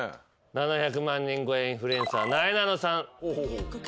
７００万人超えインフルエンサーなえなのさん。